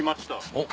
おっ。